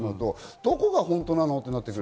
どこが本当なの？と。